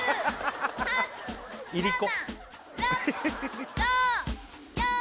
いりこ